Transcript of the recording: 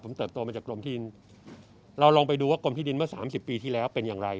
ผมเติบโตมาจากกรมที่ดินเราลองไปดูว่ากรมที่ดินเมื่อ๓๐ปีที่แล้วเป็นอย่างไร